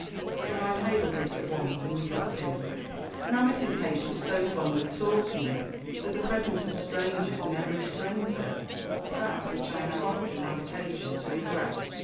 So I hailed it at once, and we got in. Now Mrs. H. was so fond of talking that the presence of strangers never restrained her a fact which I have often had occasion to regret.